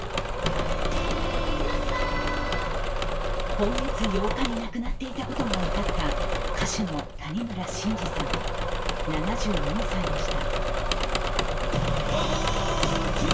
今月８日に亡くなっていたことが分かった歌手の谷村新司さん、７４歳でした。